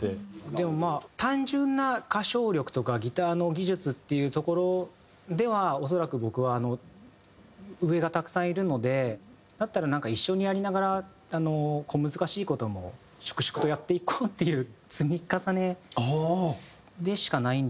でもまあ単純な歌唱力とかギターの技術っていうところでは恐らく僕は上がたくさんいるのでだったらなんか一緒にやりながら小難しい事も粛々とやっていこうっていう積み重ねでしかないんですけど。